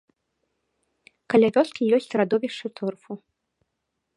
Каля вёскі ёсць радовішчы торфу.